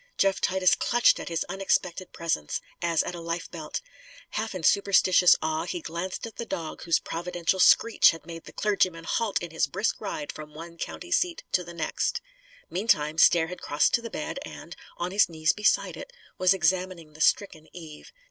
Jeff Titus clutched at his unexpected presence, as at a life belt. Half in superstitious awe, he glanced at the dog whose providential screech had made the clergyman halt in his brisk ride from one county seat to the next. Meantime, Stair had crossed to the bed, and, on his knees beside it, was examining the stricken Eve.